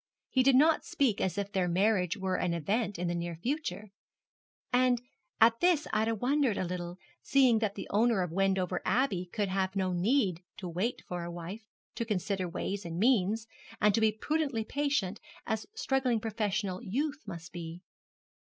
He did not speak as if their marriage were an event in the near future; and at this Ida wondered a little, seeing that the owner of Wendover Abbey could have no need to wait for a wife to consider ways and means and to be prudently patient, as struggling professional youth must be.